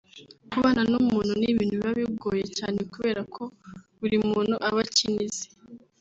Kubana n’umuntu ni ibintu biba bigoye cyane kubera ko buri muntu aba akina ize